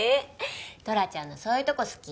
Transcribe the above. トラちゃんのそういうとこ好き。